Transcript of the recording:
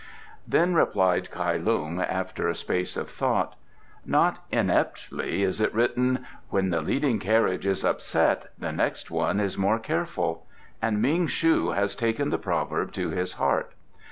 Then replied Kai Lung, after a space of thought: "Not ineptly is it written: 'When the leading carriage is upset the next one is more careful,' and Ming shu has taken the proverb to his heart.